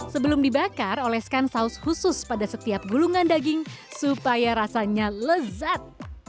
sebelum dibakar oleskan saus khusus pada setiap gulungan daging supaya rasanya lezat